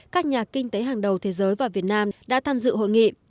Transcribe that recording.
các nhà kinh tế hàng đầu thế giới và việt nam đã tham dự hội nghị